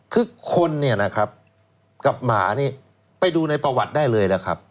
คือคนกับหมานี่ไปดูในประวัติได้เลยนะครับ